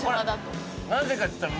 なぜか？って言ったら。